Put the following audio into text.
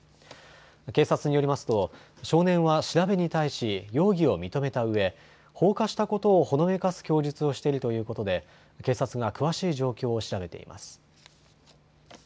警察によりますと少年は調べに対し容疑を認めたうえ放火したことをほのめかす供述をしているということで警察が詳しい状況を調べています。